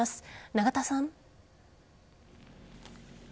永田さん。